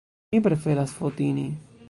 Mi preferas Fotini.